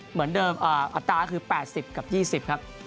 เหมือนเดิมอัตราคือ๘๐กับ๒๐ครับ